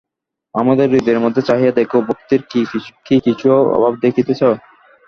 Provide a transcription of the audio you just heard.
আমাদের হৃদয়ের মধ্যে চাহিয়া দেখো, ভক্তির কি কিছু অভাব দেখিতেছ?